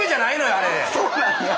あそうなんや。